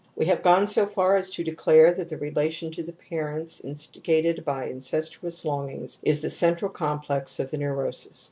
We have gone so far as to declare thati^e relation to the ^ parejnts„im.tigated byia^^^^ longings is the coitral complex of the neurosis.